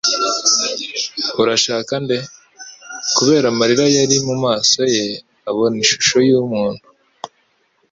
Urashaka nde?» Kubera amarira yari mu maso ye abona ishusho y'umuntu,